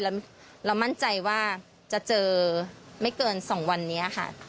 แล้วเรามั่นใจว่าจะเจอไม่เกิน๒วันนี้ค่ะ